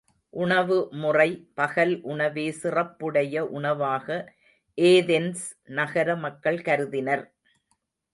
உணவு முறை பகல் உணவே சிறப்புடைய உணவாக ஏதென்ஸ் நகர மக்கள் கருதினர்.